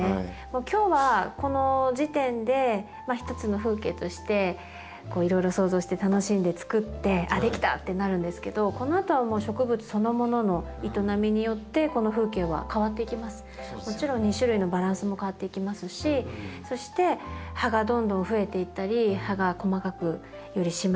今日はこの時点でひとつの風景としていろいろ想像して楽しんでつくって「あっ出来た」ってなるんですけどこのあとはもちろん２種類のバランスも変わっていきますしそして葉がどんどん増えていったり葉が細かくより締まっていったりとか。